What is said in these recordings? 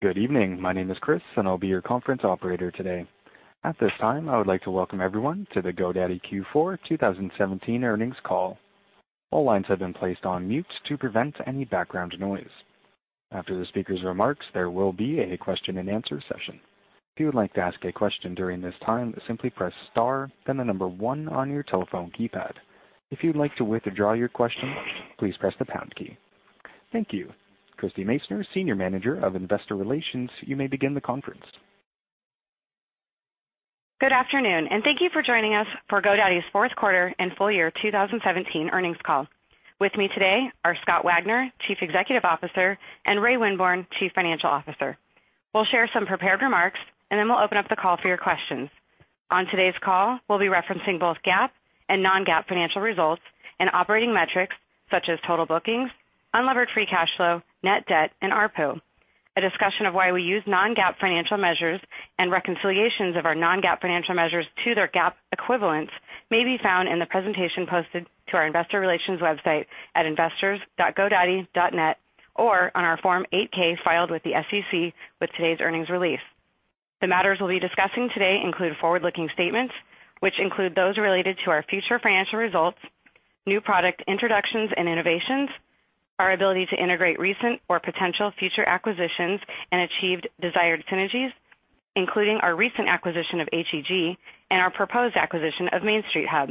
Good evening. My name is Chris, and I'll be your conference operator today. At this time, I would like to welcome everyone to the GoDaddy Q4 2017 earnings call. All lines have been placed on mute to prevent any background noise. After the speaker's remarks, there will be a question and answer session. If you would like to ask a question during this time, simply press star, then the number one on your telephone keypad. If you'd like to withdraw your question, please press the pound key. Thank you. Christie Masoner, Senior Manager of Investor Relations, you may begin the conference. Good afternoon. Thank you for joining us for GoDaddy's fourth quarter and full year 2017 earnings call. With me today are Scott Wagner, Chief Executive Officer, and Ray Winborne, Chief Financial Officer. We'll share some prepared remarks, and then we'll open up the call for your questions. On today's call, we'll be referencing both GAAP and non-GAAP financial results and operating metrics such as total bookings, unlevered free cash flow, net debt, and ARPU. A discussion of why we use non-GAAP financial measures and reconciliations of our non-GAAP financial measures to their GAAP equivalents may be found in the presentation posted to our investor relations website at investors.godaddy.net or on our Form 8-K filed with the SEC with today's earnings release. The matters we'll be discussing today include forward-looking statements, which include those related to our future financial results, new product introductions and innovations, our ability to integrate recent or potential future acquisitions, and achieved desired synergies, including our recent acquisition of HEG and our proposed acquisition of Main Street Hub.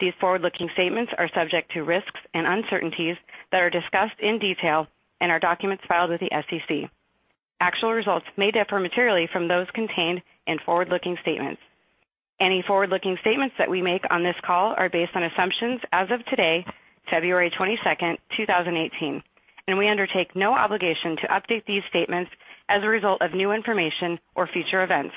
These forward-looking statements are subject to risks and uncertainties that are discussed in detail in our documents filed with the SEC. Actual results may differ materially from those contained in forward-looking statements. Any forward-looking statements that we make on this call are based on assumptions as of today, February 22nd, 2018. We undertake no obligation to update these statements as a result of new information or future events.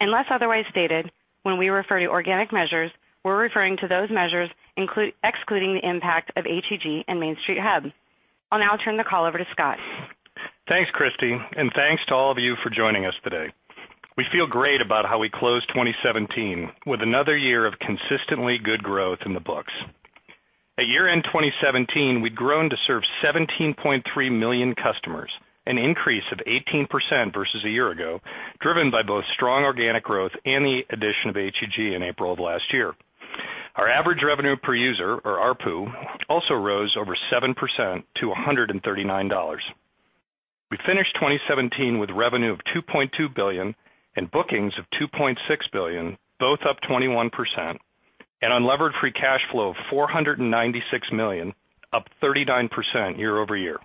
Unless otherwise stated, when we refer to organic measures, we're referring to those measures excluding the impact of HEG and Main Street Hub. I'll now turn the call over to Scott. Thanks, Christie. Thanks to all of you for joining us today. We feel great about how we closed 2017, with another year of consistently good growth in the books. At year-end 2017, we'd grown to serve 17.3 million customers, an increase of 18% versus a year ago, driven by both strong organic growth and the addition of HEG in April of last year. Our average revenue per user, or ARPU, also rose over 7% to $139. We finished 2017 with revenue of $2.2 billion and bookings of $2.6 billion, both up 21%, and unlevered free cash flow of $496 million, up 39% year-over-year,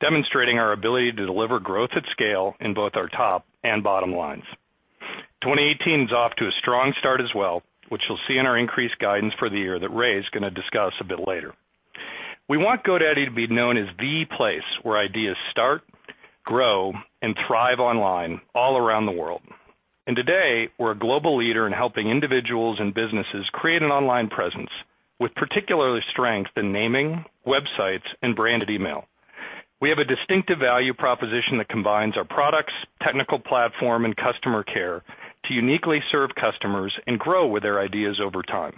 demonstrating our ability to deliver growth at scale in both our top and bottom lines. 2018 is off to a strong start as well, which you'll see in our increased guidance for the year that Ray is going to discuss a bit later. We want GoDaddy to be known as the place where ideas start, grow, and thrive online all around the world. Today, we're a global leader in helping individuals and businesses create an online presence, with particular strength in naming, websites, and branded email. We have a distinctive value proposition that combines our products, technical platform, and customer care to uniquely serve customers and grow with their ideas over time.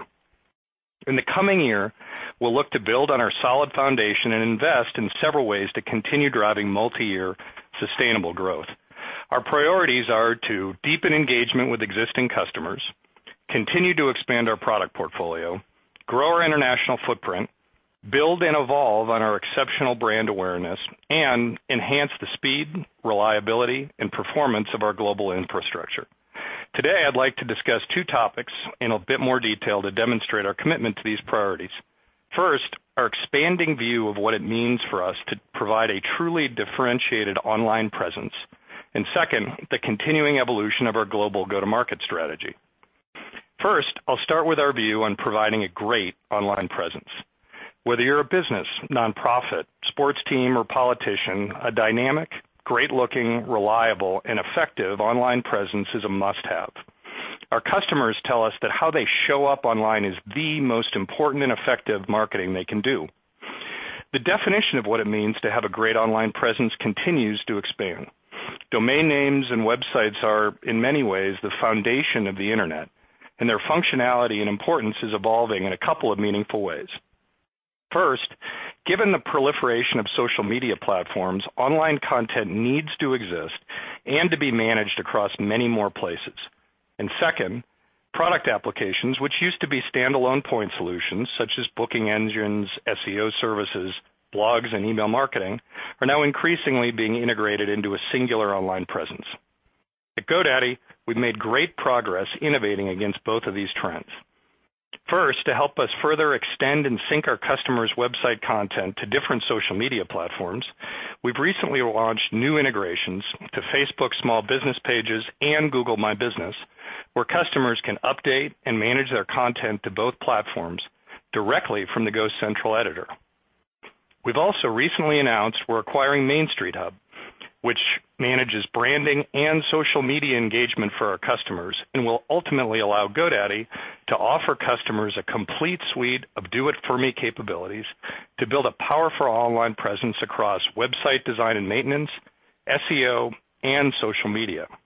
In the coming year, we'll look to build on our solid foundation and invest in several ways to continue driving multi-year, sustainable growth. Our priorities are to deepen engagement with existing customers, continue to expand our product portfolio, grow our international footprint, build and evolve on our exceptional brand awareness, and enhance the speed, reliability, and performance of our global infrastructure. Today, I'd like to discuss two topics in a bit more detail to demonstrate our commitment to these priorities. First, our expanding view of what it means for us to provide a truly differentiated online presence, and second, the continuing evolution of our global go-to-market strategy. First, I'll start with our view on providing a great online presence. Whether you're a business, nonprofit, sports team, or politician, a dynamic, great-looking, reliable, and effective online presence is a must-have. Our customers tell us that how they show up online is the most important and effective marketing they can do. The definition of what it means to have a great online presence continues to expand. Domain names and websites are, in many ways, the foundation of the internet, and their functionality and importance is evolving in a couple of meaningful ways. First, given the proliferation of social media platforms, online content needs to exist and to be managed across many more places. Second, product applications, which used to be standalone point solutions such as booking engines, SEO services, blogs, and email marketing, are now increasingly being integrated into a singular online presence. At GoDaddy, we've made great progress innovating against both of these trends. First, to help us further extend and sync our customers' website content to different social media platforms, we've recently launched new integrations to Facebook Small Business Pages and Google My Business, where customers can update and manage their content to both platforms directly from the GoCentral editor. We've also recently announced we're acquiring Main Street Hub, which manages branding and social media engagement for our customers and will ultimately allow GoDaddy to offer customers a complete suite of do-it-for-me capabilities to build a powerful online presence across website design and maintenance, SEO, and social media. Main Street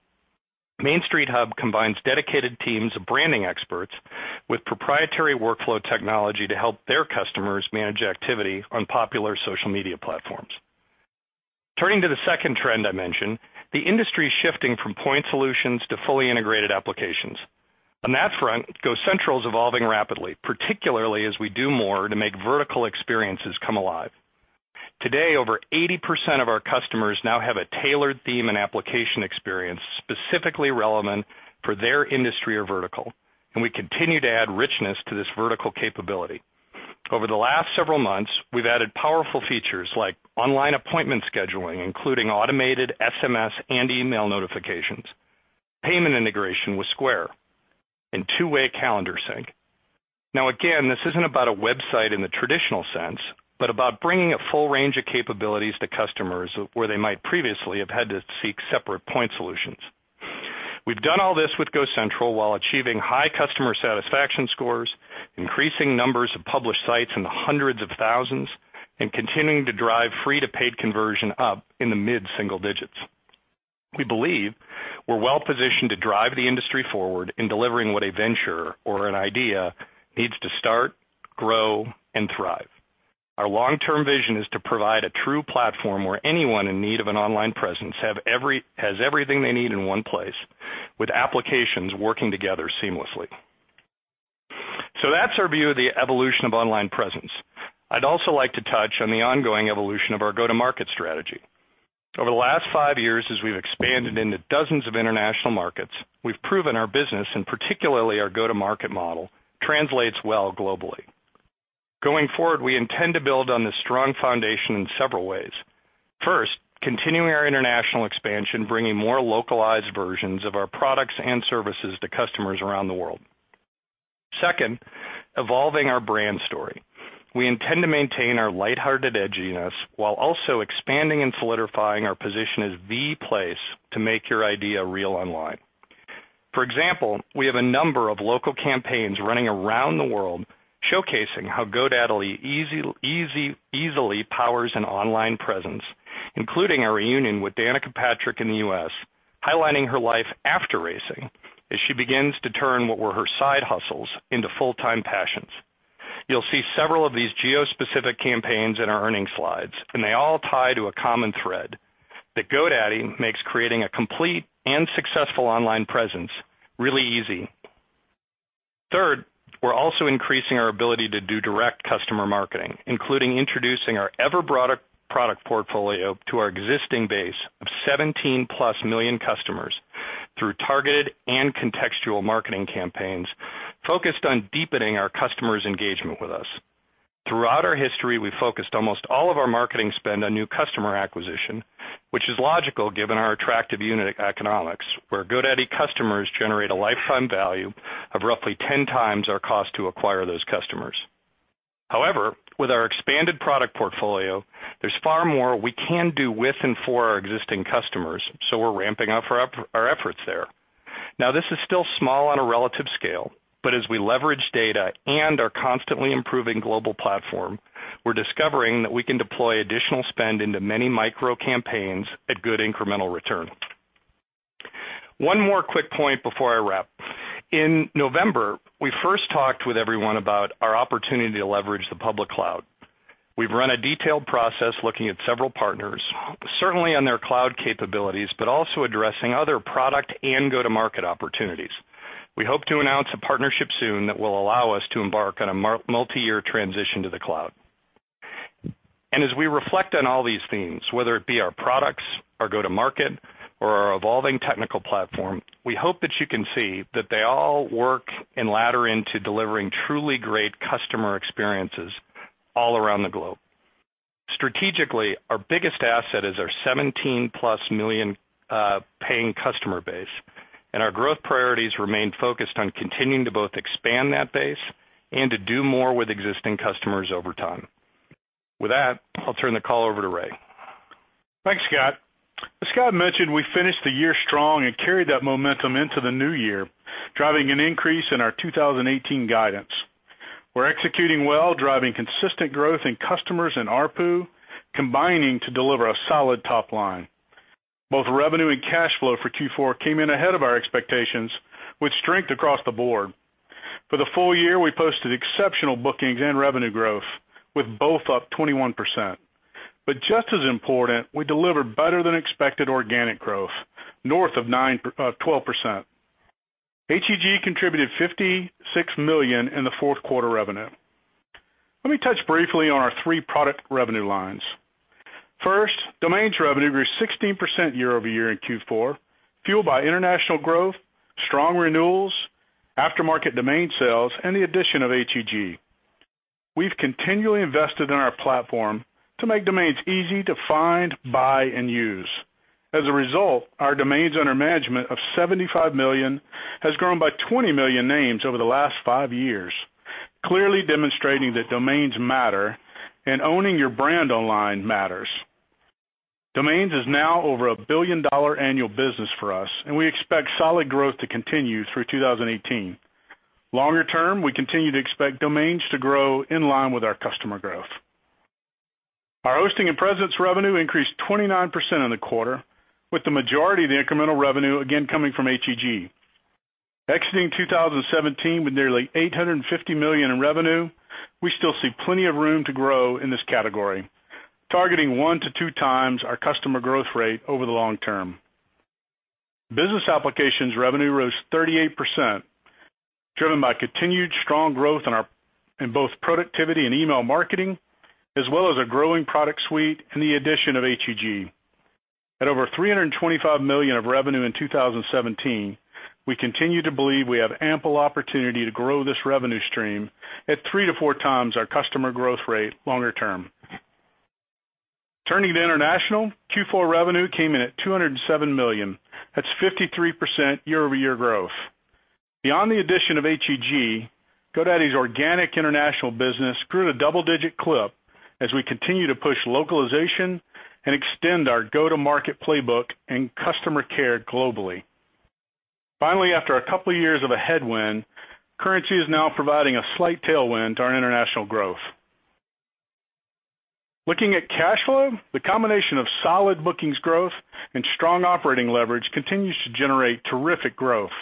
Hub combines dedicated teams of branding experts with proprietary workflow technology to help their customers manage activity on popular social media platforms. Turning to the second trend I mentioned, the industry is shifting from point solutions to fully integrated applications. On that front, GoCentral is evolving rapidly, particularly as we do more to make vertical experiences come alive. Today, over 80% of our customers now have a tailored theme and application experience specifically relevant for their industry or vertical, and we continue to add richness to this vertical capability. Over the last several months, we've added powerful features like online appointment scheduling, including automated SMS and email notifications, payment integration with Square, and two-way calendar sync. Now, again, this isn't about a website in the traditional sense, but about bringing a full range of capabilities to customers where they might previously have had to seek separate point solutions. We've done all this with GoCentral while achieving high customer satisfaction scores, increasing numbers of published sites in the hundreds of thousands, and continuing to drive free to paid conversion up in the mid-single digits. We believe we're well-positioned to drive the industry forward in delivering what a venture or an idea needs to start, grow, and thrive. Our long-term vision is to provide a true platform where anyone in need of an online presence has everything they need in one place, with applications working together seamlessly. That's our view of the evolution of online presence. I'd also like to touch on the ongoing evolution of our go-to-market strategy. Over the last five years, as we've expanded into dozens of international markets, we've proven our business, and particularly our go-to-market model, translates well globally. Going forward, we intend to build on this strong foundation in several ways. First, continuing our international expansion, bringing more localized versions of our products and services to customers around the world. Second, evolving our brand story. We intend to maintain our lighthearted edginess while also expanding and solidifying our position as the place to make your idea real online. For example, we have a number of local campaigns running around the world showcasing how GoDaddy easily powers an online presence, including our reunion with Danica Patrick in the U.S., highlighting her life after racing as she begins to turn what were her side hustles into full-time passions. You'll see several of these geo-specific campaigns in our earnings slides. They all tie to a common thread, that GoDaddy makes creating a complete and successful online presence really easy. Third, we're also increasing our ability to do direct customer marketing, including introducing our ever-broader product portfolio to our existing base of 17-plus million customers through targeted and contextual marketing campaigns focused on deepening our customers' engagement with us. Throughout our history, we focused almost all of our marketing spend on new customer acquisition, which is logical given our attractive unit economics, where GoDaddy customers generate a lifetime value of roughly 10 times our cost to acquire those customers. However, with our expanded product portfolio, there's far more we can do with and for our existing customers. We're ramping up our efforts there. This is still small on a relative scale, but as we leverage data and our constantly improving global platform, we're discovering that we can deploy additional spend into many micro-campaigns at good incremental return. One more quick point before I wrap. In November, we first talked with everyone about our opportunity to leverage the public cloud. We've run a detailed process looking at several partners, certainly on their cloud capabilities, but also addressing other product and go-to-market opportunities. We hope to announce a partnership soon that will allow us to embark on a multi-year transition to the cloud. As we reflect on all these themes, whether it be our products, our go-to-market, or our evolving technical platform, we hope that you can see that they all work and ladder into delivering truly great customer experiences all around the globe. Strategically, our biggest asset is our 17-plus million paying customer base, and our growth priorities remain focused on continuing to both expand that base and to do more with existing customers over time. With that, I'll turn the call over to Ray. Thanks, Scott. As Scott mentioned, we finished the year strong and carried that momentum into the new year, driving an increase in our 2018 guidance. We're executing well, driving consistent growth in customers and ARPU, combining to deliver a solid top line. Both revenue and cash flow for Q4 came in ahead of our expectations, with strength across the board. For the full year, we posted exceptional bookings and revenue growth, with both up 21%. Just as important, we delivered better-than-expected organic growth, north of 12%. HEG contributed $56 million in the fourth quarter revenue. Let me touch briefly on our three product revenue lines. First, domains revenue grew 16% year-over-year in Q4, fueled by international growth, strong renewals, aftermarket domain sales, and the addition of HEG. We've continually invested in our platform to make domains easy to find, buy, and use. As a result, our domains under management of $75 million has grown by $20 million names over the last five years, clearly demonstrating that domains matter and owning your brand online matters. Domains is now over a billion-dollar annual business for us, and we expect solid growth to continue through 2018. Longer term, we continue to expect domains to grow in line with our customer growth. Our hosting and presence revenue increased 29% in the quarter, with the majority of the incremental revenue again coming from HEG. Exiting 2017 with nearly $850 million in revenue, we still see plenty of room to grow in this category, targeting one to two times our customer growth rate over the long term. Business applications revenue rose 38%, driven by continued strong growth in both productivity and email marketing, as well as a growing product suite and the addition of HEG. At over $325 million of revenue in 2017, we continue to believe we have ample opportunity to grow this revenue stream at three to four times our customer growth rate longer term. Turning to international, Q4 revenue came in at $207 million. That's 53% year-over-year growth. Beyond the addition of HEG, GoDaddy's organic international business grew at a double-digit clip as we continue to push localization and extend our go-to-market playbook and customer care globally. Finally, after a couple of years of a headwind, currency is now providing a slight tailwind to our international growth. Looking at cash flow, the combination of solid bookings growth and strong operating leverage continues to generate terrific growth.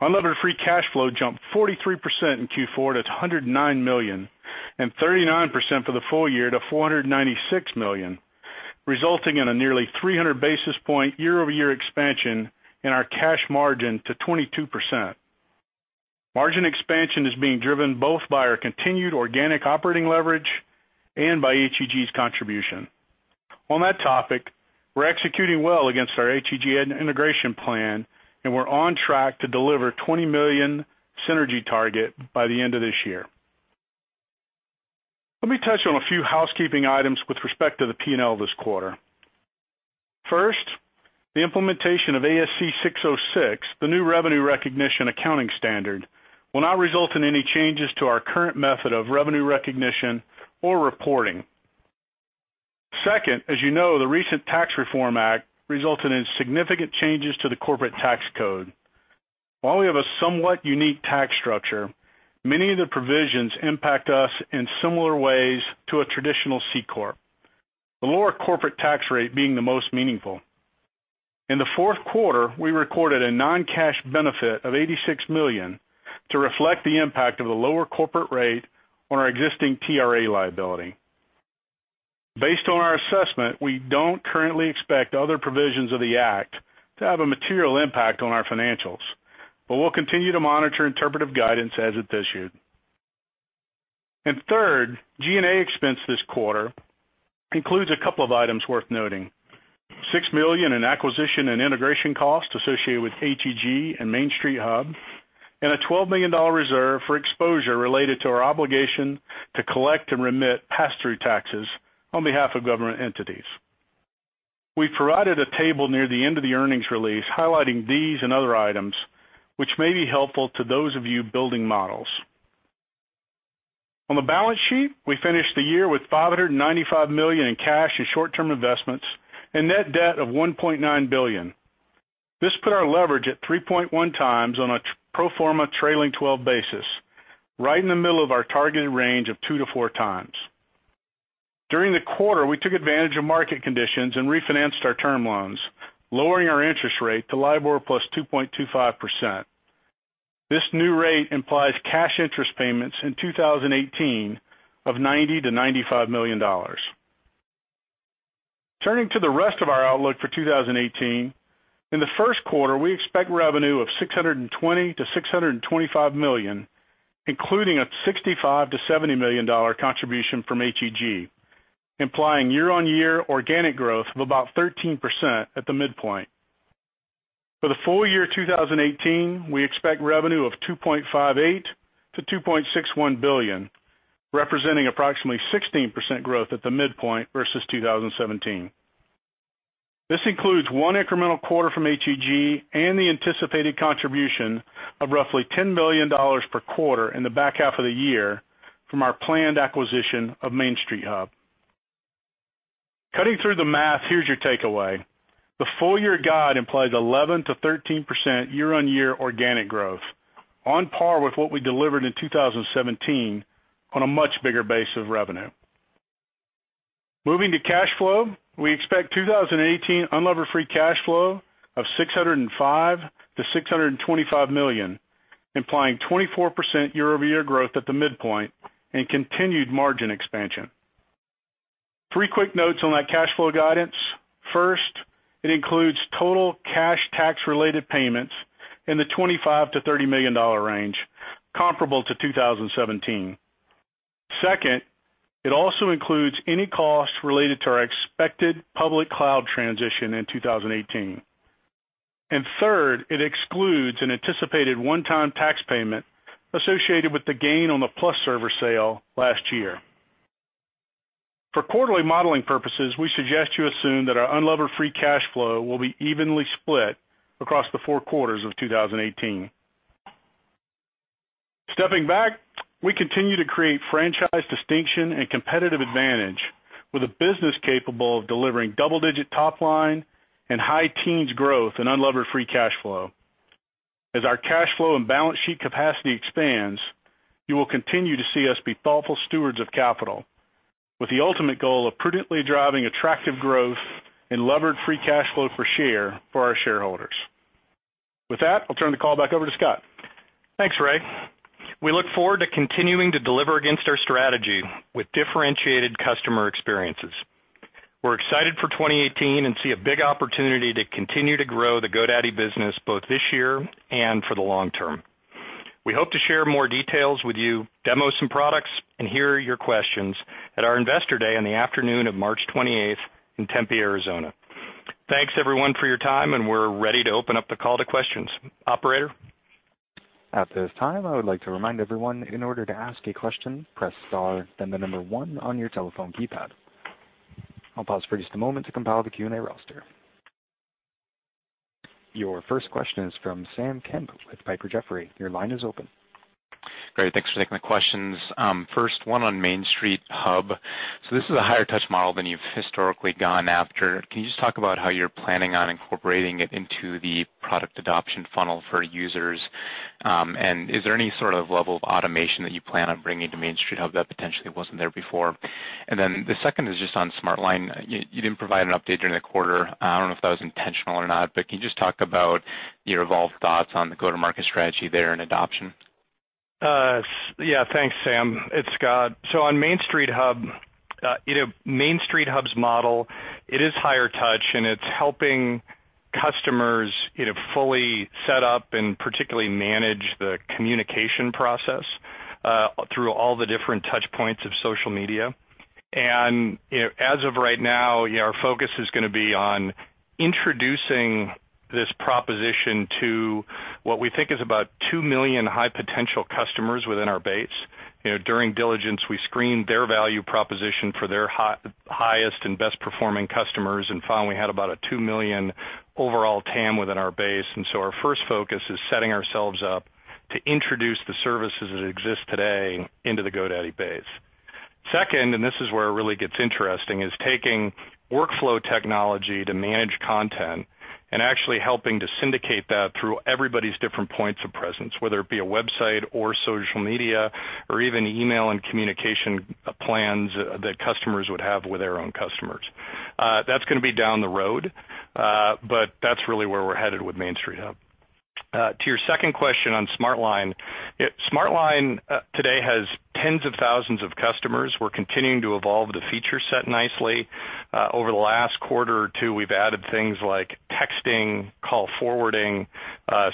Unlevered free cash flow jumped 43% in Q4 to $109 million, and 39% for the full year to $496 million, resulting in a nearly 300 basis point year-over-year expansion in our cash margin to 22%. Margin expansion is being driven both by our continued organic operating leverage and by HEG's contribution. On that topic, we're executing well against our HEG integration plan, and we're on track to deliver $20 million synergy target by the end of this year. Let me touch on a few housekeeping items with respect to the P&L this quarter. First, the implementation of ASC 606, the new revenue recognition accounting standard, will not result in any changes to our current method of revenue recognition or reporting. Second, as you know, the recent Tax Reform Act resulted in significant changes to the corporate tax code. While we have a somewhat unique tax structure, many of the provisions impact us in similar ways to a traditional C corp, the lower corporate tax rate being the most meaningful. In the fourth quarter, we recorded a non-cash benefit of $86 million to reflect the impact of the lower corporate rate on our existing TRA liability. Based on our assessment, we don't currently expect other provisions of the act to have a material impact on our financials, but we'll continue to monitor interpretive guidance as it's issued. Third, G&A expense this quarter includes a couple of items worth noting. $6 million in acquisition and integration costs associated with HEG and Main Street Hub, and a $12 million reserve for exposure related to our obligation to collect and remit pass-through taxes on behalf of government entities. We've provided a table near the end of the earnings release highlighting these and other items, which may be helpful to those of you building models. On the balance sheet, we finished the year with $595 million in cash and short-term investments and net debt of $1.9 billion. This put our leverage at 3.1 times on a pro forma trailing 12 basis, right in the middle of our targeted range of two to four times. During the quarter, we took advantage of market conditions and refinanced our term loans, lowering our interest rate to LIBOR plus 2.25%. This new rate implies cash interest payments in 2018 of $90 million to $95 million. Turning to the rest of our outlook for 2018, in the first quarter, we expect revenue of $620 million to $625 million, including a $65 million to $70 million contribution from HEG, implying year-on-year organic growth of about 13% at the midpoint. For the full year 2018, we expect revenue of $2.58 billion to $2.61 billion, representing approximately 16% growth at the midpoint versus 2017. This includes one incremental quarter from HEG and the anticipated contribution of roughly $10 million per quarter in the back half of the year from our planned acquisition of Main Street Hub. Cutting through the math, here's your takeaway. The full-year guide implies 11%-13% year-on-year organic growth, on par with what we delivered in 2017 on a much bigger base of revenue. Moving to cash flow, we expect 2018 unlevered free cash flow of $605 million to $625 million, implying 24% year-over-year growth at the midpoint and continued margin expansion. Three quick notes on that cash flow guidance. First, it includes total cash tax-related payments in the $25 million to $30 million range, comparable to 2017. Second, it also includes any costs related to our expected public cloud transition in 2018. Third, it excludes an anticipated one-time tax payment associated with the gain on the PlusServer sale last year. For quarterly modeling purposes, we suggest you assume that our unlevered free cash flow will be evenly split across the four quarters of 2018. Stepping back, we continue to create franchise distinction and competitive advantage with a business capable of delivering double-digit top line and high teens growth in unlevered free cash flow. As our cash flow and balance sheet capacity expands, you will continue to see us be thoughtful stewards of capital, with the ultimate goal of prudently driving attractive growth and levered free cash flow for share for our shareholders. With that, I'll turn the call back over to Scott. Thanks, Ray. We look forward to continuing to deliver against our strategy with differentiated customer experiences. We're excited for 2018. We see a big opportunity to continue to grow the GoDaddy business, both this year and for the long term. We hope to share more details with you, demo some products, and hear your questions at our Investor Day on the afternoon of March 28th in Tempe, Arizona. Thanks everyone for your time. We're ready to open up the call to questions. Operator? At this time, I would like to remind everyone, in order to ask a question, press star, then the number 1 on your telephone keypad. I'll pause for just a moment to compile the Q&A roster. Your first question is from Sam Kemp with Piper Jaffray. Your line is open. Great. Thanks for taking the questions. First one on Main Street Hub. This is a higher touch model than you've historically gone after. Can you just talk about how you're planning on incorporating it into the product adoption funnel for users? Is there any sort of level of automation that you plan on bringing to Main Street Hub that potentially wasn't there before? The second is just on SmartLine. You didn't provide an update during the quarter. I don't know if that was intentional or not, but can you just talk about your evolved thoughts on the go-to-market strategy there and adoption? Thanks, Sam. It's Scott. On Main Street Hub, Main Street Hub's model, it is higher touch, and it's helping customers fully set up, and particularly manage the communication process through all the different touch points of social media. As of right now, our focus is gonna be on introducing this proposition to what we think is about 2 million high-potential customers within our base. During diligence, we screened their value proposition for their highest and best-performing customers, and found we had about a 2 million overall TAM within our base. Our first focus is setting ourselves up to introduce the services that exist today into the GoDaddy base. Second, and this is where it really gets interesting, is taking workflow technology to manage content, and actually helping to syndicate that through everybody's different points of presence, whether it be a website or social media, or even email and communication plans that customers would have with their own customers. That's gonna be down the road, but that's really where we're headed with Main Street Hub. To your second question on SmartLine today has tens of thousands of customers. We're continuing to evolve the feature set nicely. Over the last quarter or two, we've added things like texting, call forwarding,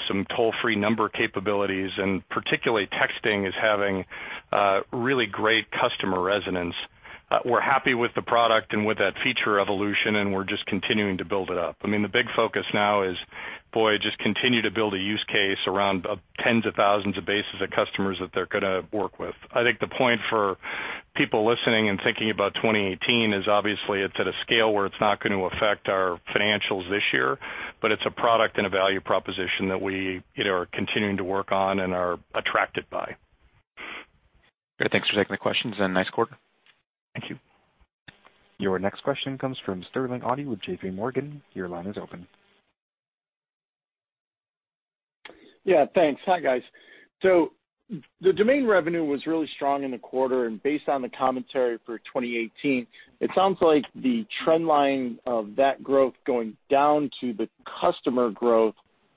some toll-free number capabilities, and particularly texting is having really great customer resonance. We're happy with the product and with that feature evolution, and we're just continuing to build it up. I mean, the big focus now is, boy, just continue to build a use case around tens of thousands of bases of customers that they're gonna work with. I think the point for people listening and thinking about 2018 is obviously it's at a scale where it's not going to affect our financials this year, but it's a product and a value proposition that we are continuing to work on and are attracted by. Great. Thanks for taking the questions, and nice quarter. Thank you. Your next question comes from Sterling Auty with J.P. Morgan. Your line is open. Yeah, thanks. Hi, guys. The domain revenue was really strong in the quarter, and based on the commentary for 2018, it sounds like the trend line of that growth going down to the customer growth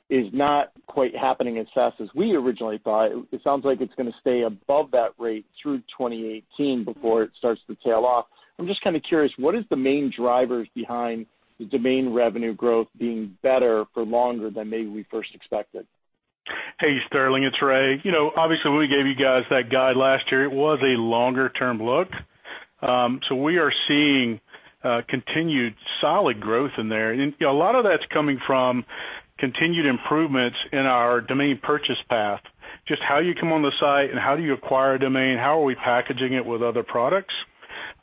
is not quite happening as fast as we originally thought. It sounds like it's gonna stay above that rate through 2018 before it starts to tail off. I'm just kind of curious, what is the main drivers behind the domain revenue growth being better for longer than maybe we first expected? Hey, Sterling, it's Ray. Obviously, when we gave you guys that guide last year, it was a longer-term look. We are seeing continued solid growth in there. A lot of that's coming from continued improvements in our domain purchase path. Just how you come on the site and how do you acquire a domain, how are we packaging it with other products.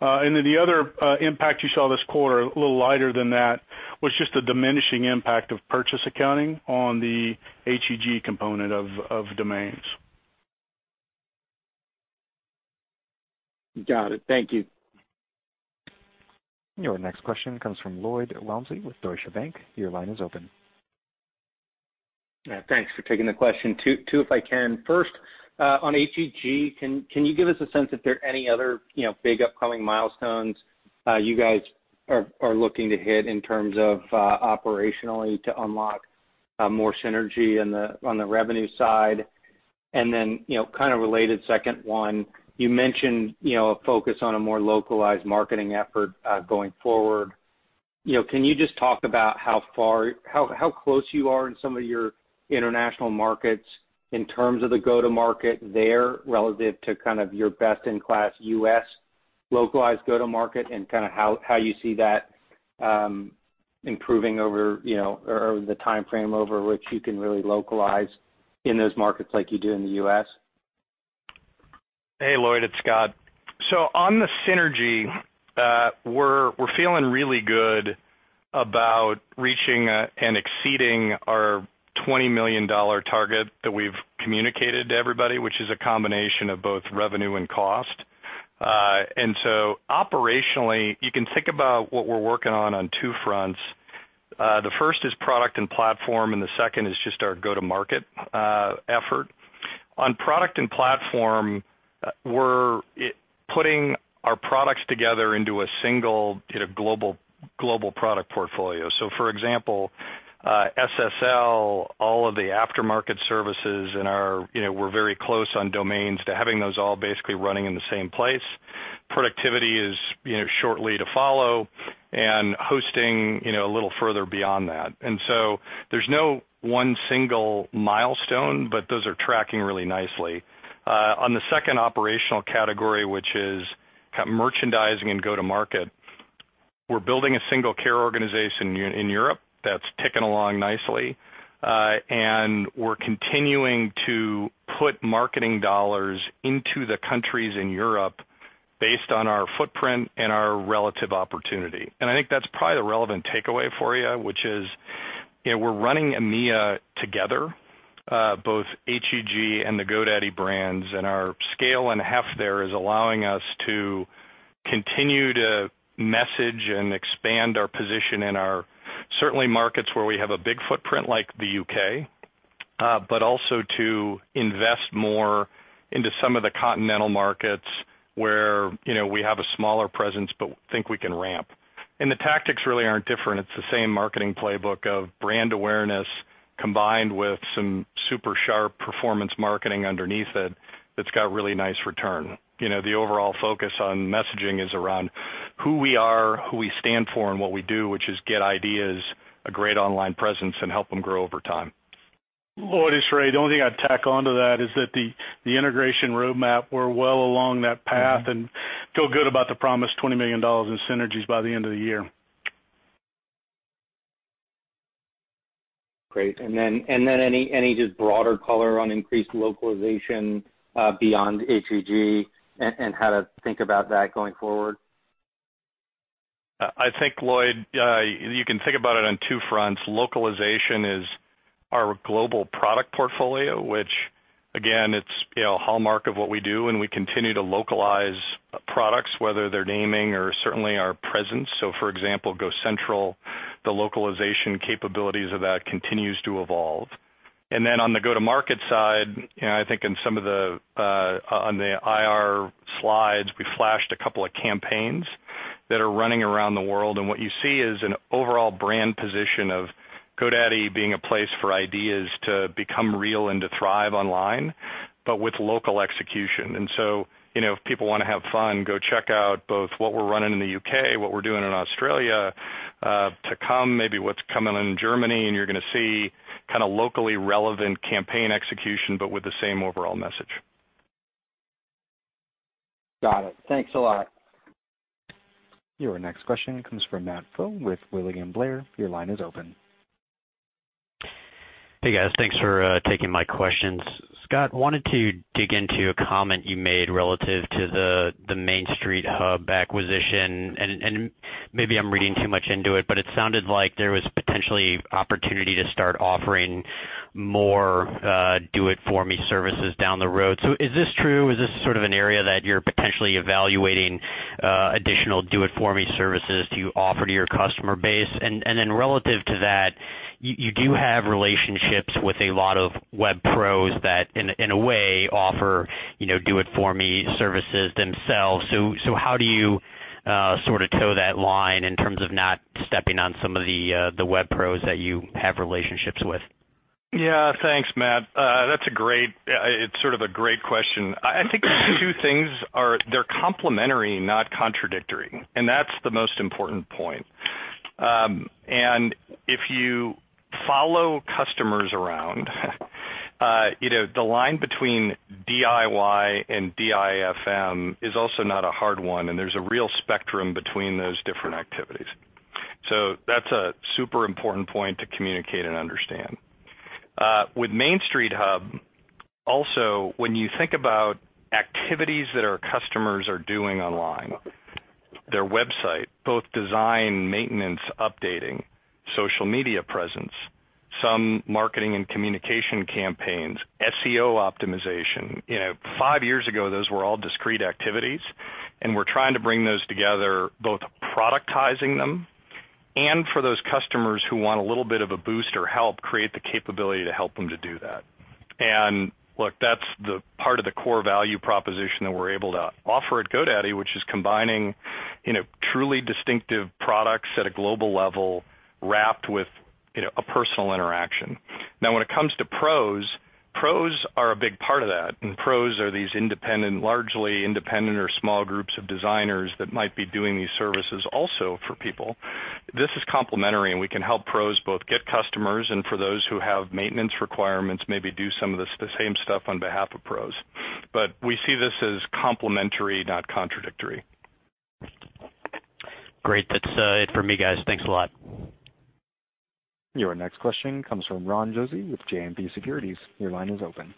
Then the other impact you saw this quarter, a little lighter than that, was just the diminishing impact of purchase accounting on the HEG component of domains. Got it. Thank you. Your next question comes from Lloyd Walmsley with Deutsche Bank. Your line is open. Yeah, thanks for taking the question. Two, if I can. First, on HEG, can you give us a sense if there are any other big upcoming milestones you guys are looking to hit in terms of operationally to unlock more synergy on the revenue side? Kind of related second one, you mentioned a focus on a more localized marketing effort going forward. Can you just talk about how close you are in some of your international markets in terms of the go-to-market there relative to kind of your best-in-class U.S. localized go-to-market, and kind of how you see that improving over, or the timeframe over which you can really localize in those markets like you do in the U.S.? Hey, Lloyd, it's Scott. On the synergy, we're feeling really good about reaching and exceeding our $20 million target that we've communicated to everybody, which is a combination of both revenue and cost. Operationally, you can think about what we're working on two fronts. The first is product and platform, and the second is just our go-to-market effort. On product and platform, we're putting our products together into a single global product portfolio. For example, SSL, all of the aftermarket services, and we're very close on domains to having those all basically running in the same place. Productivity is shortly to follow, and hosting a little further beyond that. There's no one single milestone, but those are tracking really nicely. On the second operational category, which is merchandising and go-to-market, we're building a single care organization in Europe that's ticking along nicely. We're continuing to put marketing dollars into the countries in Europe based on our footprint and our relative opportunity. I think that's probably the relevant takeaway for you, which is we're running EMEA together, both HEG and the GoDaddy brands. Our scale and heft there is allowing us to continue to message and expand our position in our, certainly markets where we have a big footprint, like the U.K., but also to invest more into some of the continental markets where we have a smaller presence, but think we can ramp. The tactics really aren't different. It's the same marketing playbook of brand awareness, combined with some super sharp performance marketing underneath it that's got really nice return. The overall focus on messaging is around who we are, who we stand for, and what we do, which is get ideas, a great online presence, and help them grow over time. Lloyd, it's Ray. The only thing I'd tack onto that is that the integration roadmap, we're well along that path and feel good about the promised $20 million in synergies by the end of the year. Any just broader color on increased localization beyond HEG and how to think about that going forward? I think, Lloyd, you can think about it on two fronts. Localization is our global product portfolio, which again, it's a hallmark of what we do, and we continue to localize products, whether they're naming or certainly our presence. For example, GoCentral, the localization capabilities of that continues to evolve. On the go-to-market side, I think on the IR slides, we flashed a couple of campaigns that are running around the world, and what you see is an overall brand position of GoDaddy being a place for ideas to become real and to thrive online, but with local execution. If people want to have fun, go check out both what we're running in the U.K., what we're doing in Australia, to come, maybe what's coming in Germany, and you're going to see locally relevant campaign execution, but with the same overall message. Got it. Thanks a lot. Your next question comes from Matt Pfau with William Blair. Your line is open. Hey, guys. Thanks for taking my questions. Scott, wanted to dig into a comment you made relative to the Main Street Hub acquisition. Maybe I'm reading too much into it, but it sounded like there was potentially opportunity to start offering more do it for me services down the road. Is this true? Is this an area that you're potentially evaluating additional do it for me services to offer to your customer base? Relative to that, you do have relationships with a lot of web pros that, in a way, offer do it for me services themselves. How do you tow that line in terms of not stepping on some of the web pros that you have relationships with? Yeah. Thanks, Matt. It's a great question. I think the two things are, they're complementary, not contradictory, and that's the most important point. If you follow customers around, the line between DIY and DIFM is also not a hard one, and there's a real spectrum between those different activities. That's a super important point to communicate and understand. With Main Street Hub, also, when you think about activities that our customers are doing online, their website, both design, maintenance, updating, social media presence, some marketing and communication campaigns, SEO optimization. Five years ago, those were all discrete activities, and we're trying to bring those together, both productizing them, and for those customers who want a little bit of a boost or help, create the capability to help them to do that. Look, that's the part of the core value proposition that we're able to offer at GoDaddy, which is combining truly distinctive products at a global level, wrapped with a personal interaction. When it comes to pros are a big part of that, and pros are these largely independent or small groups of designers that might be doing these services also for people. This is complementary, and we can help pros both get customers, and for those who have maintenance requirements, maybe do some of the same stuff on behalf of pros. We see this as complementary, not contradictory. Great. That's it from me, guys. Thanks a lot. Your next question comes from Ron Josey with JMP Securities. Your line is open.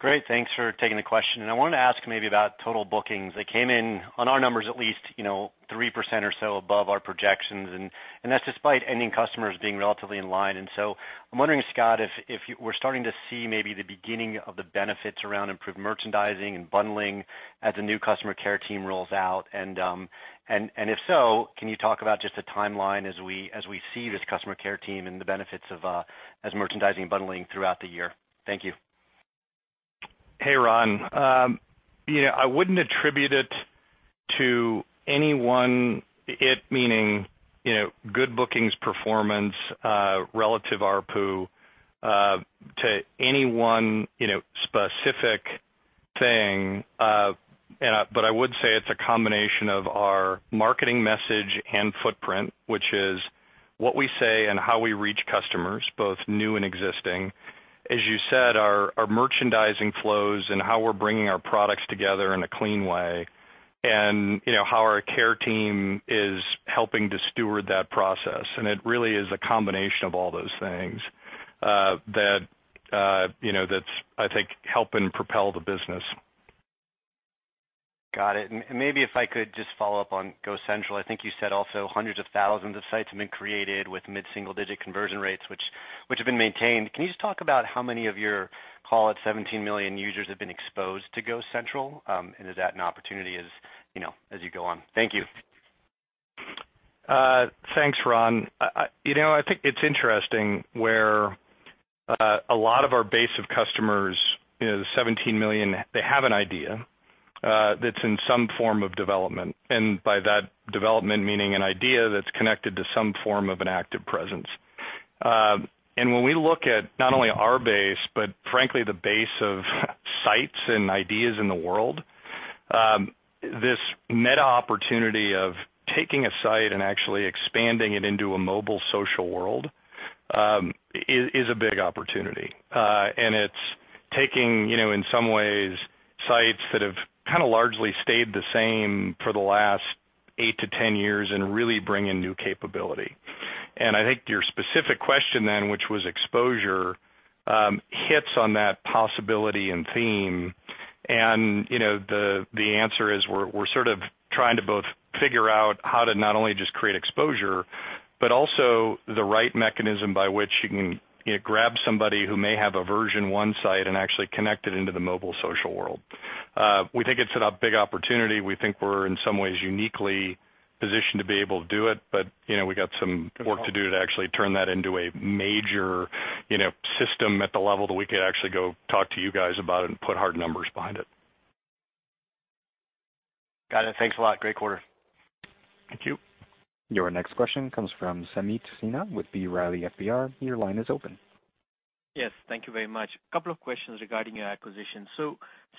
Great. Thanks for taking the question. I wanted to ask maybe about total bookings. They came in on our numbers at least 3% or so above our projections, and that's despite ending customers being relatively in line. I'm wondering, Scott, if we're starting to see maybe the beginning of the benefits around improved merchandising and bundling as the new customer care team rolls out and, if so, can you talk about just the timeline as we see this customer care team and the benefits of as merchandising bundling throughout the year? Thank you. Hey, Ron. I wouldn't attribute it to any one, it meaning good bookings performance, relative ARPU, to any one specific thing. I would say it's a combination of our marketing message and footprint, which is what we say and how we reach customers, both new and existing. As you said, our merchandising flows and how we're bringing our products together in a clean way and how our care team is helping to steward that process. It really is a combination of all those things that I think help and propel the business. Got it. Maybe if I could just follow up on GoCentral. I think you said also hundreds of thousands of sites have been created with mid-single-digit conversion rates, which have been maintained. Can you just talk about how many of your call at 17 million users have been exposed to GoCentral? Is that an opportunity as you go on? Thank you. Thanks, Ron. I think it's interesting where a lot of our base of customers, the 17 million, they have an idea that's in some form of development, and by that development, meaning an idea that's connected to some form of an active presence. When we look at not only our base, but frankly, the base of sites and ideas in the world, this meta opportunity of taking a site and actually expanding it into a mobile social world, is a big opportunity. It's taking, in some ways, sites that have kind of largely stayed the same for the last eight to 10 years and really bring in new capability. I think your specific question then, which was exposure, hits on that possibility and theme. The answer is we're sort of trying to both figure out how to not only just create exposure, but also the right mechanism by which you can grab somebody who may have a version 1 site and actually connect it into the mobile social world. We think it's a big opportunity. We think we're in some ways uniquely positioned to be able to do it, we got some work to do to actually turn that into a major system at the level that we could actually go talk to you guys about it and put hard numbers behind it. Got it. Thanks a lot. Great quarter. Thank you. Your next question comes from Sameet Sinha with B. Riley FBR. Your line is open. Yes, thank you very much. A couple of questions regarding your acquisition.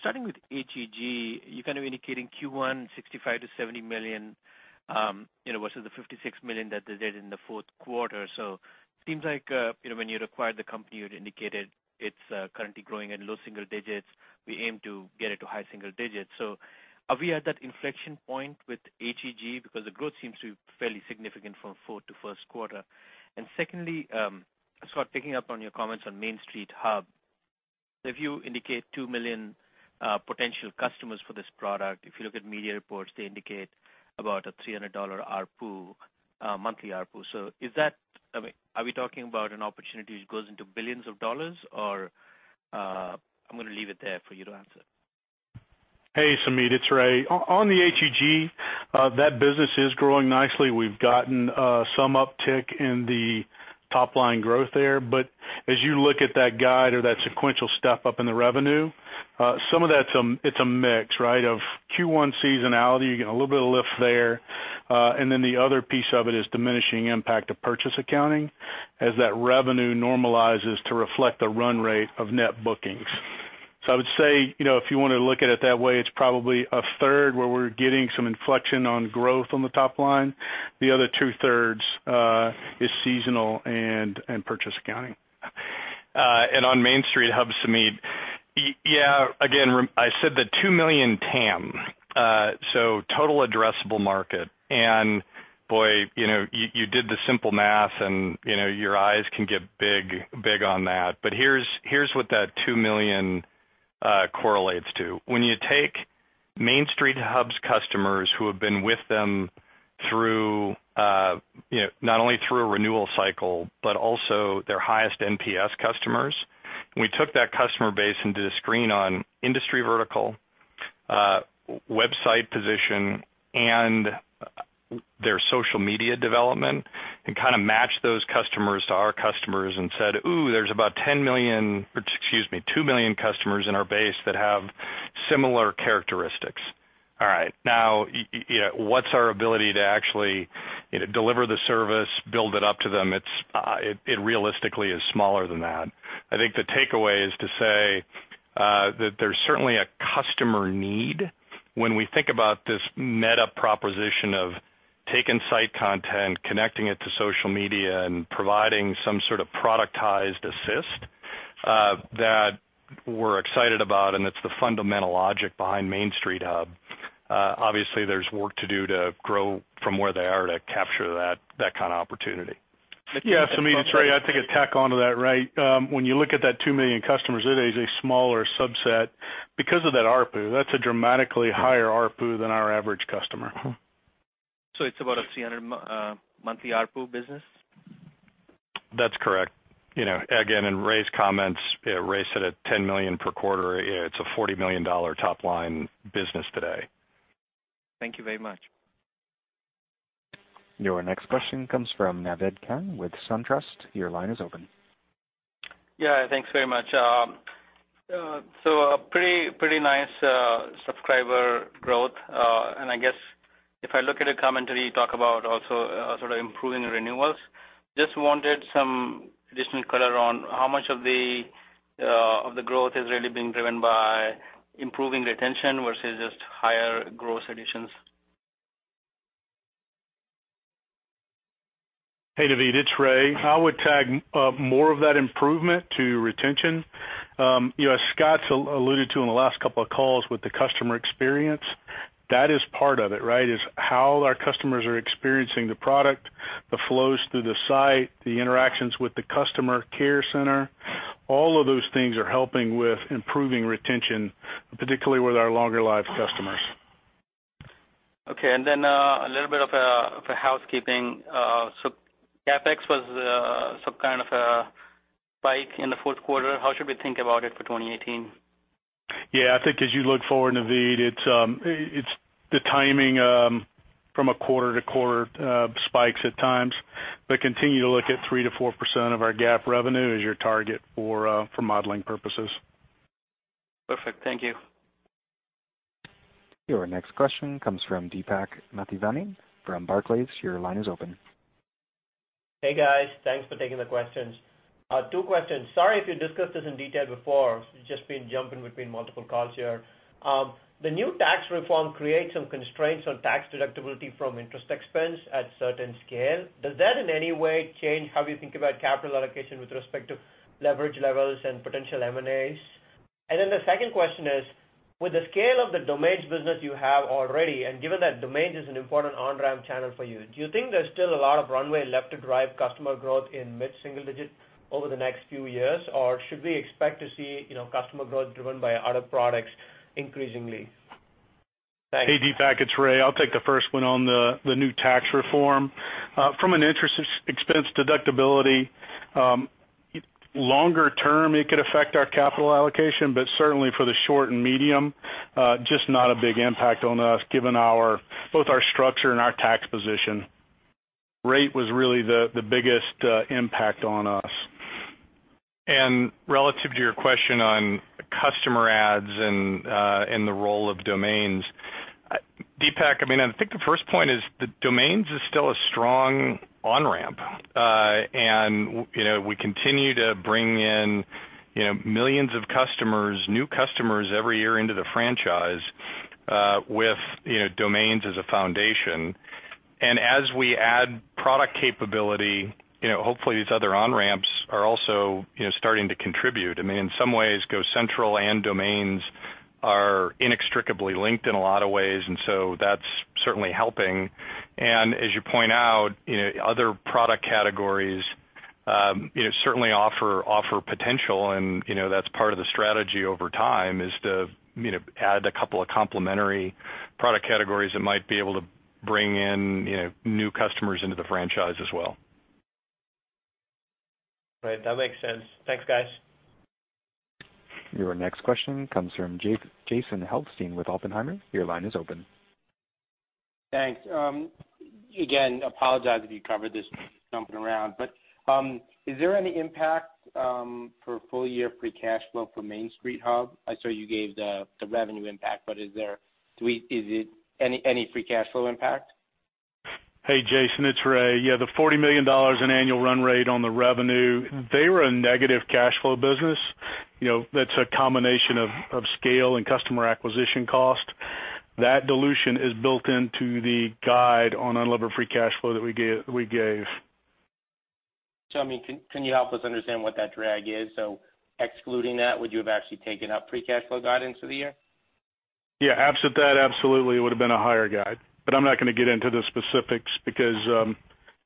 Starting with HEG, you're kind of indicating Q1 $65 million-$70 million, versus the $56 million that they did in the fourth quarter. Seems like, when you acquired the company, you'd indicated it's currently growing at low single digits. We aim to get it to high single digits. Are we at that inflection point with HEG because the growth seems to be fairly significant from fourth to first quarter? Secondly, Scott, picking up on your comments on Main Street Hub. If you indicate 2 million potential customers for this product, if you look at media reports, they indicate about a $300 ARPU, monthly ARPU. Are we talking about an opportunity that goes into billions of dollars or I'm going to leave it there for you to answer. Hey, Sameet, it's Ray. On the HEG, that business is growing nicely. We've gotten some uptick in the top-line growth there, but as you look at that guide or that sequential step-up in the revenue, some of that it's a mix of Q1 seasonality. You get a little bit of lift there. The other piece of it is diminishing impact of purchase accounting as that revenue normalizes to reflect the run rate of net bookings. I would say, if you want to look at it that way, it's probably a third where we're getting some inflection on growth on the top line. The other two-thirds is seasonal and purchase accounting. On Main Street Hub, Sameet. Yeah, again, I said the 2 million TAM, so total addressable market. Boy, you did the simple math, and your eyes can get big on that. Here's what that 2 million correlates to. When you take Main Street Hub's customers who have been with them not only through a renewal cycle, but also their highest NPS customers. We took that customer base and did a screen on industry vertical, website position, and their social media development and kind of matched those customers to our customers and said, "Ooh, there's about 10 million, or excuse me, 2 million customers in our base that have similar characteristics." All right. What's our ability to actually deliver the service, build it up to them? It realistically is smaller than that. I think the takeaway is to say that there's certainly a customer need when we think about this meta proposition of taking site content, connecting it to social media, and providing some sort of productized assist that we're excited about, and it's the fundamental logic behind Main Street Hub. Obviously there's work to do to grow from where they are to capture that kind of opportunity. Yes, Sameet, it's Ray. I think to tack onto that right, when you look at that 2 million customers, it is a smaller subset because of that ARPU. That's a dramatically higher ARPU than our average customer. it's about a $300 monthly ARPU business? That's correct. Again, in Ray's comments, Ray said at $10 million per quarter, it's a $40 million top-line business today. Thank you very much. Your next question comes from Naved Khan with SunTrust. Your line is open. Yeah, thanks very much. Pretty nice subscriber growth. I guess if I look at a commentary, you talk about also sort of improving renewals. I just wanted some additional color on how much of the growth is really being driven by improving retention versus just higher gross additions? Hey, Naved, it's Ray. I would tag more of that improvement to retention. As Scott's alluded to in the last couple of calls with the customer experience, that is part of it, right, how our customers are experiencing the product, the flows through the site, the interactions with the customer care center, all of those things are helping with improving retention, particularly with our longer life customers. Okay, a little bit of housekeeping. CapEx was some kind of a spike in the fourth quarter. How should we think about it for 2018? Yeah, I think as you look forward, Naved, it's the timing from a quarter-to-quarter spikes at times. Continue to look at 3%-4% of our GAAP revenue as your target for modeling purposes. Perfect. Thank you. Your next question comes from Deepak Mathivanan from Barclays. Your line is open. Hey, guys. Thanks for taking the questions. Two questions. Sorry if you discussed this in detail before. Just been jumping between multiple calls here. The new tax reform creates some constraints on tax deductibility from interest expense at certain scale. Does that in any way change how you think about capital allocation with respect to leverage levels and potential M&As? The second question is, with the scale of the domains business you have already, and given that domains is an important on-ramp channel for you, do you think there's still a lot of runway left to drive customer growth in mid-single digits over the next few years? Or should we expect to see customer growth driven by other products increasingly? Thanks. Hey, Deepak, it's Ray. I'll take the first one on the new tax reform. From an interest expense deductibility, longer term, it could affect our capital allocation, but certainly for the short and medium, just not a big impact on us given both our structure and our tax position. Rate was really the biggest impact on us. Relative to your question on customer adds and the role of domains, Deepak. I think the first point is that domains is still a strong on-ramp. We continue to bring in millions of customers, new customers every year into the franchise, with domains as a foundation. As we add product capability, hopefully these other on-ramps are also starting to contribute. In some ways, GoCentral and domains are inextricably linked in a lot of ways, and so that's certainly helping. As you point out, other product categories certainly offer potential, and that's part of the strategy over time, is to add a couple of complementary product categories that might be able to bring in new customers into the franchise as well. Right. That makes sense. Thanks, guys. Your next question comes from Jason Helfstein with Oppenheimer. Your line is open. Thanks. Again, apologize if you covered this, jumping around. Is there any impact for full-year free cash flow from Main Street Hub? I saw you gave the revenue impact, but is there any free cash flow impact? Hey, Jason, it's Ray. The $40 million in annual run rate on the revenue, they were a negative cash flow business. That's a combination of scale and customer acquisition cost. That dilution is built into the guide on unlevered free cash flow that we gave. Can you help us understand what that drag is? Excluding that, would you have actually taken up free cash flow guidance for the year? Absent that, absolutely it would've been a higher guide. I'm not gonna get into the specifics because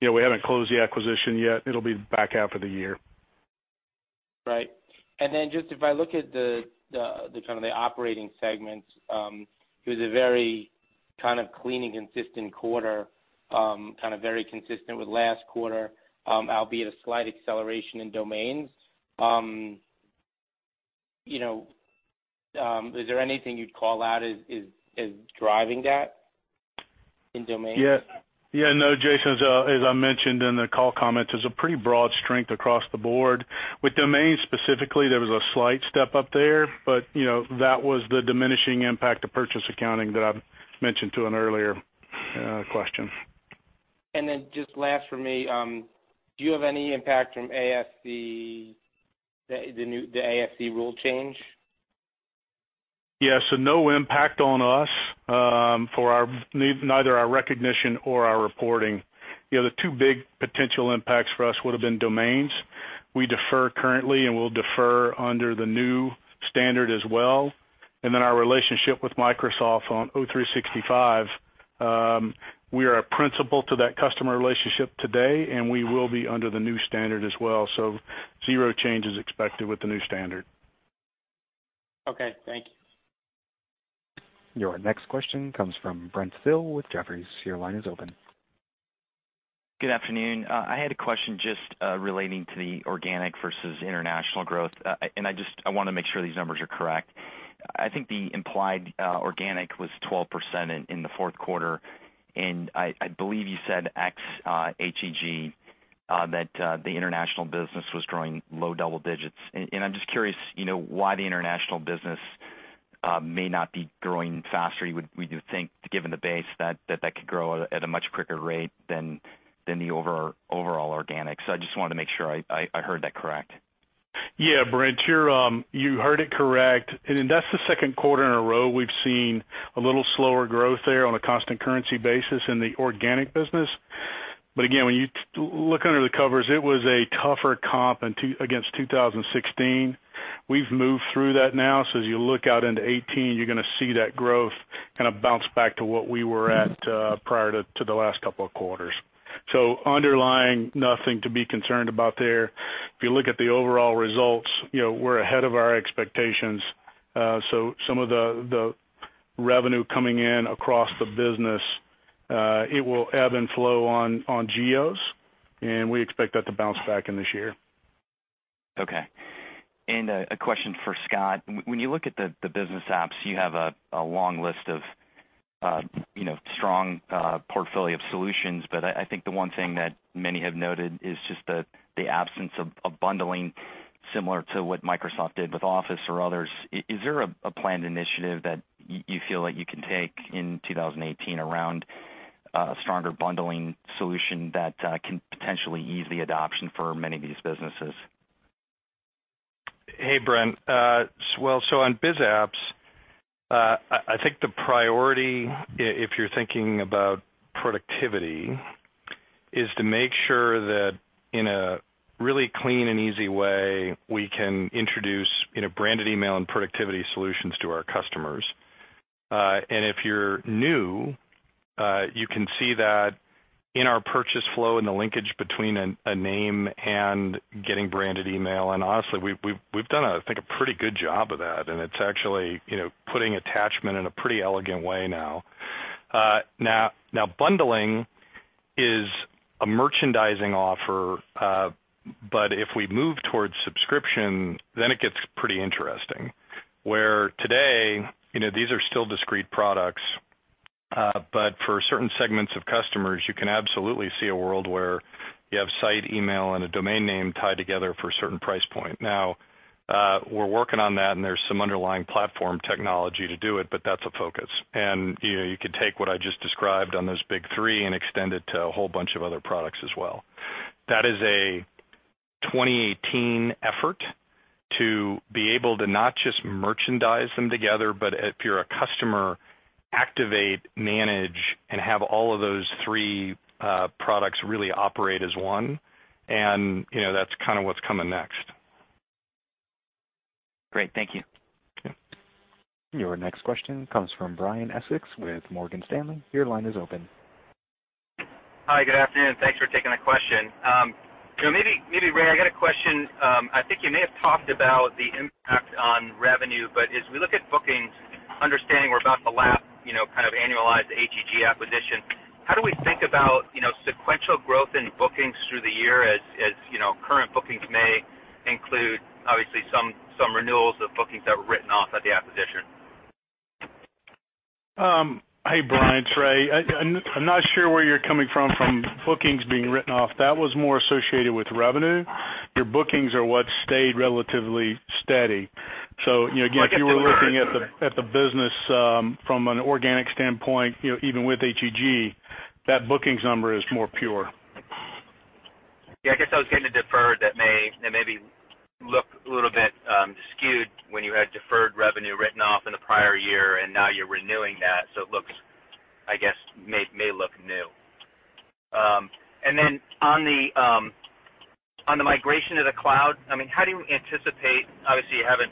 we haven't closed the acquisition yet. It'll be back half of the year. Right. Just if I look at the operating segments, it was a very kind of clean and consistent quarter, very consistent with last quarter, albeit a slight acceleration in domains. Is there anything you'd call out as driving that in domains? Jason, as I mentioned in the call comments, there's a pretty broad strength across the board. With domains specifically, there was a slight step up there, but that was the diminishing impact of purchase accounting that I've mentioned to an earlier question. Just last for me, do you have any impact from the ASC rule change? No impact on us for neither our recognition or our reporting. The two big potential impacts for us would've been domains. We defer currently, and we'll defer under the new standard as well. Our relationship with Microsoft on O365, we are a principal to that customer relationship today, and we will be under the new standard as well. Zero change is expected with the new standard. Thank you. Your next question comes from Brent Thill with Jefferies. Your line is open. Good afternoon. I had a question just relating to the organic versus international growth. I want to make sure these numbers are correct. I think the implied organic was 12% in the fourth quarter, and I believe you said ex-HEG, that the international business was growing low double digits. I'm just curious why the international business may not be growing faster. Would you think, given the base, that that could grow at a much quicker rate than the overall organics? I just wanted to make sure I heard that correct. Yeah, Brent, you heard it correct. That's the second quarter in a row we've seen a little slower growth there on a constant currency basis in the organic business. Again, when you look under the covers, it was a tougher comp against 2016. We've moved through that now. As you look out into 2018, you're going to see that growth kind of bounce back to what we were at prior to the last couple of quarters. Underlying, nothing to be concerned about there. If you look at the overall results, we're ahead of our expectations. Some of the revenue coming in across the business, it will ebb and flow on geos, and we expect that to bounce back in this year. Okay. A question for Scott. When you look at the business apps, you have a long list of strong portfolio solutions, but I think the one thing that many have noted is just the absence of bundling, similar to what Microsoft did with Office or others. Is there a planned initiative that you feel like you can take in 2018 around a stronger bundling solution that can potentially ease the adoption for many of these businesses? Hey, Brent. On biz apps, I think the priority, if you're thinking about productivity, is to make sure that in a really clean and easy way, we can introduce branded email and productivity solutions to our customers. If you're new, you can see that in our purchase flow, in the linkage between a name and getting branded email, and honestly, we've done I think a pretty good job of that, and it's actually putting attachment in a pretty elegant way now. Bundling is a merchandising offer, but if we move towards subscription, then it gets pretty interesting, where today, these are still discrete products. For certain segments of customers, you can absolutely see a world where you have site email and a domain name tied together for a certain price point. We're working on that, and there's some underlying platform technology to do it, but that's a focus. You could take what I just described on those big three and extend it to a whole bunch of other products as well. That is a 2018 effort to be able to not just merchandise them together, but if you're a customer, activate, manage, and have all of those three products really operate as one. That's kind of what's coming next. Great. Thank you. Your next question comes from Brian Essex with Morgan Stanley. Your line is open. Hi, good afternoon. Thanks for taking the question. Maybe Ray, I got a question. I think you may have talked about the impact on revenue, but as we look at bookings, understanding we're about to lap kind of annualized HEG acquisition, how do we think about sequential growth in bookings through the year as current bookings may include obviously some renewals of bookings that were written off at the acquisition? Hey, Brian, it's Ray. I'm not sure where you're coming from bookings being written off. That was more associated with revenue. Your bookings are what stayed relatively steady. Again. Like if they were. if you were looking at the business from an organic standpoint, even with HEG, that bookings number is more pure. I guess I was getting to deferred that may look a little bit skewed when you had deferred revenue written off in the prior year, and now you're renewing that, so it looks, I guess, may look new. On the migration to the cloud, how do you anticipate, obviously you haven't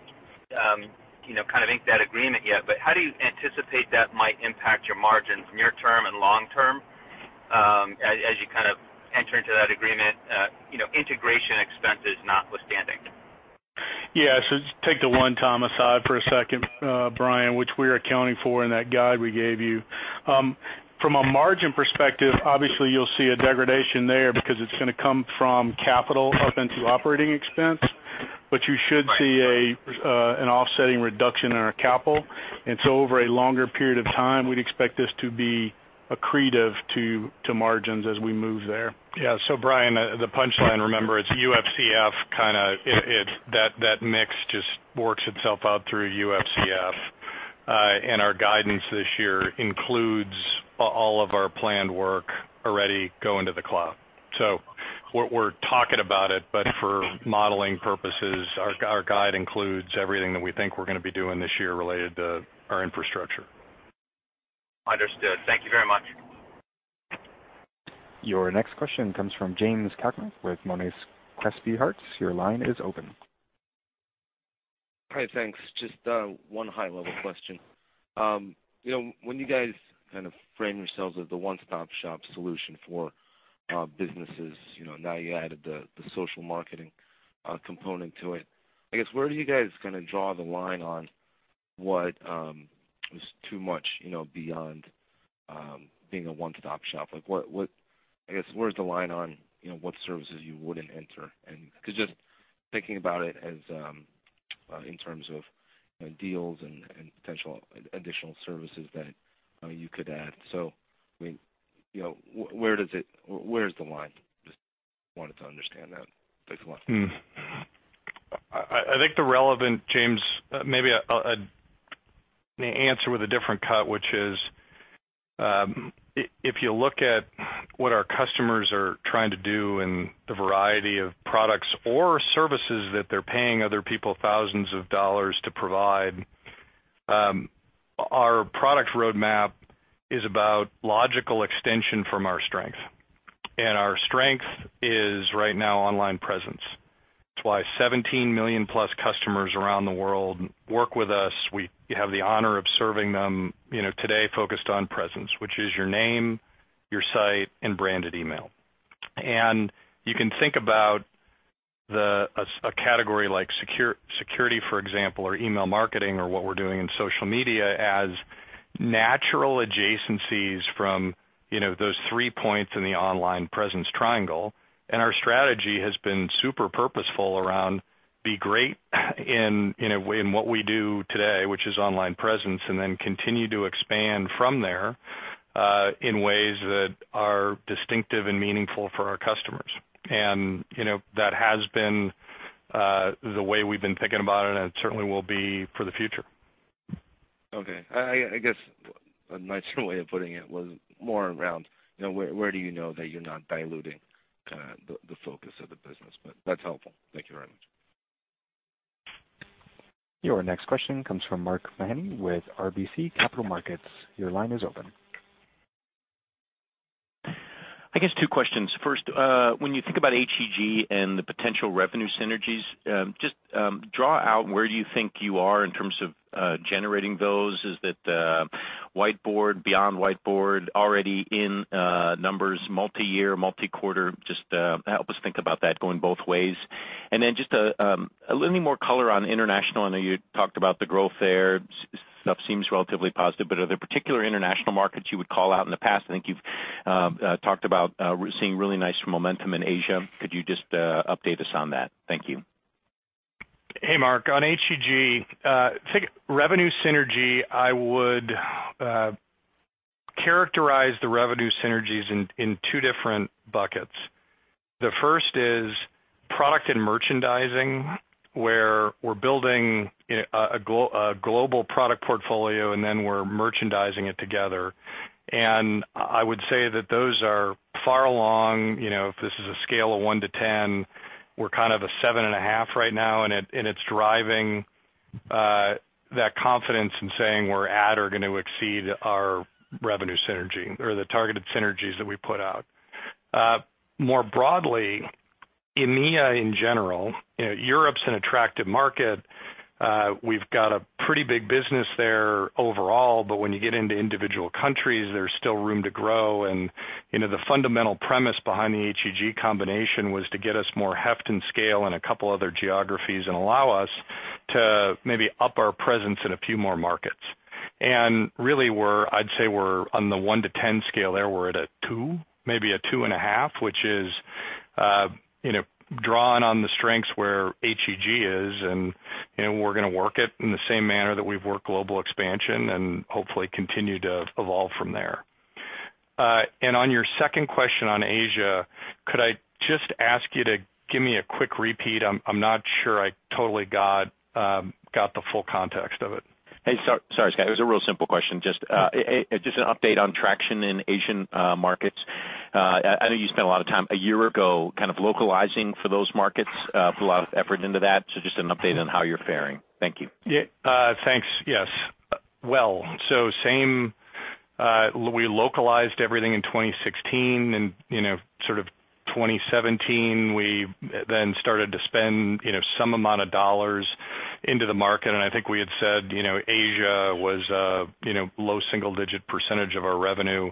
kind of inked that agreement yet, but how do you anticipate that might impact your margins near-term and long-term, as you kind of enter into that agreement, integration expenses notwithstanding? Just take the one-time aside for a second, Brian, which we're accounting for in that guide we gave you. From a margin perspective, obviously you'll see a degradation there because it's going to come from capital up into operating expense. You should see an offsetting reduction in our capital. Over a longer period of time, we'd expect this to be accretive to margins as we move there. Brian, the punchline, remember, it's UFCF, kind of that mix just works itself out through UFCF. Our guidance this year includes all of our planned work already going to the cloud. We're talking about it, but for modeling purposes, our guide includes everything that we think we're going to be doing this year related to our infrastructure. Understood. Thank you very much. Your next question comes from James Cakmak with Monness, Crespi, Hardt. Your line is open. Hi, thanks. Just one high-level question. When you guys kind of frame yourselves as the one-stop-shop solution for businesses, now you added the social marketing component to it. I guess, where do you guys kind of draw the line on what is too much beyond being a one-stop shop? I guess, where's the line on what services you wouldn't enter? Because just thinking about it in terms of deals and potential additional services that you could add. Where's the line? Just wanted to understand that. Thanks a lot. I think the relevant, James Cakmak, maybe I answer with a different cut, which is, if you look at what our customers are trying to do and the variety of products or services that they're paying other people thousands of dollars to provide, our product roadmap is about logical extension from our strength. Our strength is right now online presence. That's why 17 million plus customers around the world work with us. We have the honor of serving them today focused on presence, which is your name, your site, and branded email. You can think about a category like security, for example, or email marketing or what we're doing in social media as natural adjacencies from those three points in the online presence triangle. Our strategy has been super purposeful around, be great in what we do today, which is online presence, and then continue to expand from there, in ways that are distinctive and meaningful for our customers. That has been the way we've been thinking about it, and it certainly will be for the future. Okay. I guess a nicer way of putting it was more around, where do you know that you're not diluting the focus of the business? That's helpful. Thank you very much. Your next question comes from Mark Mahaney with RBC Capital Markets. Your line is open. I guess two questions. First, when you think about HEG and the potential revenue synergies, just draw out where you think you are in terms of generating those. Is that Whiteboard, beyond Whiteboard, already in numbers, multi-year, multi-quarter? Just help us think about that going both ways. Then just any more color on international. I know you talked about the growth there. Stuff seems relatively positive, are there particular international markets you would call out? In the past, I think you've talked about seeing really nice momentum in Asia. Could you just update us on that? Thank you. Hey, Mark. On HEG, revenue synergy, I would characterize the revenue synergies in two different buckets. The first is product and merchandising, where we're building a global product portfolio, then we're merchandising it together. I would say that those are far along. If this is a scale of 1 to 10, we're kind of a 7.5 right now, it's driving that confidence in saying we're at or going to exceed our revenue synergy or the targeted synergies that we put out. More broadly, EMEA in general, Europe's an attractive market. We've got a pretty big business there overall, when you get into individual countries, there's still room to grow. The fundamental premise behind the HEG combination was to get us more heft and scale in a couple other geographies and allow us to maybe up our presence in a few more markets. Really, I'd say we're on the one to 10 scale there, we're at a two, maybe a two and a half, which is drawing on the strengths where HEG is, we're going to work it in the same manner that we've worked global expansion and hopefully continue to evolve from there. On your second question on Asia, could I just ask you to give me a quick repeat? I'm not sure I totally got the full context of it. Hey, sorry, Scott. It was a real simple question. Just an update on traction in Asian markets. I know you spent a lot of time a year ago kind of localizing for those markets. Put a lot of effort into that. Just an update on how you're faring. Thank you. Thanks. Yes. Well, we localized everything in 2016, sort of 2017, we then started to spend some amount of dollars into the market, I think we had said Asia was low single-digit % of our revenue.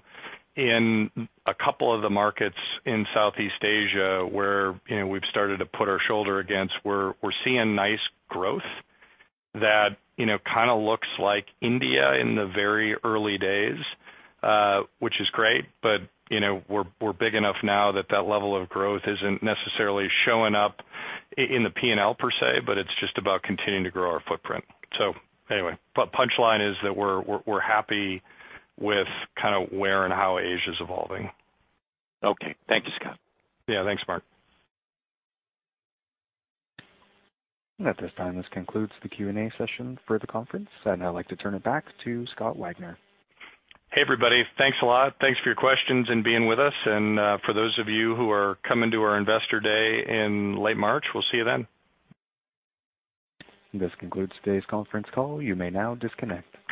In a couple of the markets in Southeast Asia where we've started to put our shoulder against, we're seeing nice growth that kind of looks like India in the very early days, which is great. We're big enough now that that level of growth isn't necessarily showing up in the P&L per se, it's just about continuing to grow our footprint. Anyway, punchline is that we're happy with kind of where and how Asia's evolving. Okay. Thank you, Scott. Yeah. Thanks, Mark. At this time, this concludes the Q&A session for the conference, and I'd like to turn it back to Scott Wagner. Hey, everybody. Thanks a lot. Thanks for your questions and being with us. For those of you who are coming to our investor day in late March, we'll see you then. This concludes today's conference call. You may now disconnect.